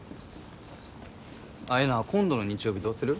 えな今度の日曜日どうする？